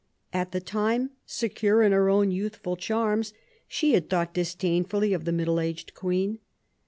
At the time, secure in her own youthful charms, she had thought disdainfully of the middle aged queen.